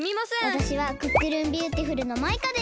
わたしはクックルンビューティフルのマイカです。